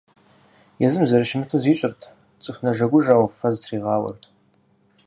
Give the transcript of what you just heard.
Езым зэрыщымыту зищӀырт, цӀыху нэжэгужэу фэ зытригъауэрт.